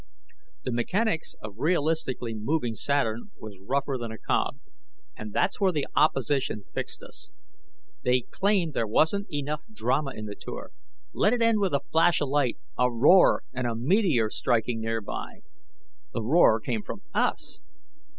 The mechanics of realistically moving Saturn was rougher than a cob. And that's where the opposition fixed us. They claimed there wasn't enough drama in the tour. Let it end with a flash of light, a roar, and a meteor striking nearby. The roar came from us.